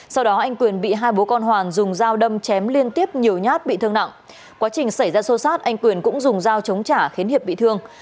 sau đó anh quyền bị hai bố con hoàn dùng dao đâm chém liên tiếp nhiều nhát bị thương nặng